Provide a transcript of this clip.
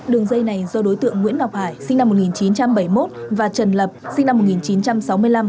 đường dây này do đối tượng nguyễn ngọc hải sinh năm một nghìn chín trăm bảy mươi một và trần lập sinh năm một nghìn chín trăm sáu mươi năm